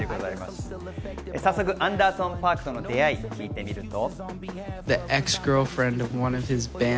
早速、アンダーソン・パークとの出会いを聞いてみると。